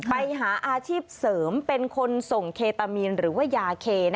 ไปหาอาชีพเสริมเป็นคนส่งเคตามีนหรือว่ายาเค